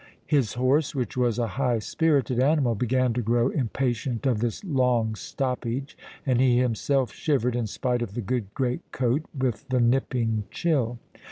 His horse, which was a high spirited animal, began to grow impatient of this long stoppage; and he himself shivered, in spite of the good great coat, with the nipping chill.